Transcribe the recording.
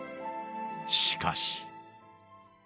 しかし。